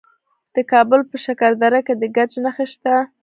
د کابل په شکردره کې د ګچ نښې شته.